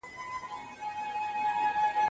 په سره غرمه کې هغه په خپله څېړنه بوخت و.